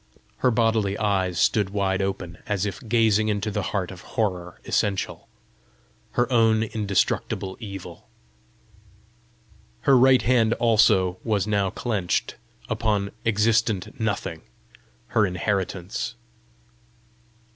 Her bodily eyes stood wide open, as if gazing into the heart of horror essential her own indestructible evil. Her right hand also was now clenched upon existent Nothing her inheritance!